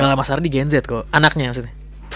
gak lah mas ardi genzet kok anaknya maksudnya